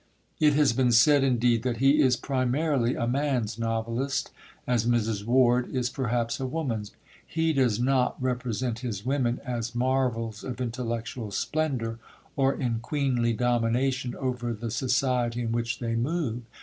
It has been said, indeed, that he is primarily a man's novelist, as Mrs. Ward is perhaps a woman's; he does not represent his women as marvels of intellectual splendour, or in queenly domination over the society in which they move.